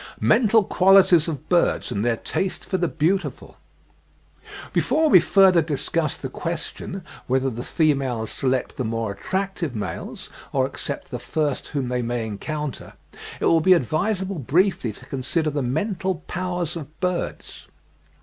MENTAL QUALITIES OF BIRDS, AND THEIR TASTE FOR THE BEAUTIFUL. Before we further discuss the question whether the females select the more attractive males or accept the first whom they may encounter, it will be advisable briefly to consider the mental powers of birds.